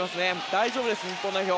大丈夫です、日本代表。